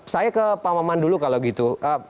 saya ke pak maman dulu kalau gitu